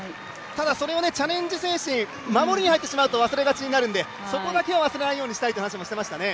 ただそれをチャレンジ精神守りに入ってしまうとそこだけは忘れないようにしたいと話をしていましたね。